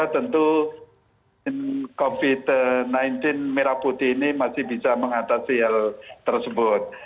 tentu covid sembilan belas merah putih ini masih bisa mengatasi hal tersebut